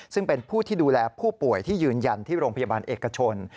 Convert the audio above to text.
ซึ่งเป็นผู้ที่ดูแลผู้ป่วยที่ยืนยันที่โรงพยาบาลเอกชน